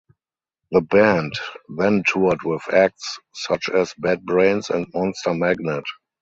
The band then toured with acts such as Bad Brains and Monster Magnet.